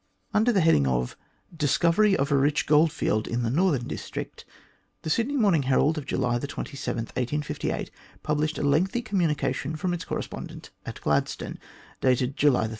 Under the heading of " Discovery of a Eich Goldfield in the Northern District/' the Sydney Morning Herald of July 27, 1858, published a lengthy communication from its corres pondent at Gladstone, dated July 13.